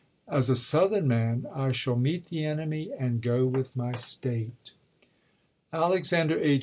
As a Southern man I shall chap. xii. meet the enemy and go with my State." Alexander H.